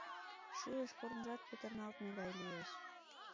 Шӱлыш корныжат петырналтме гай лиеш.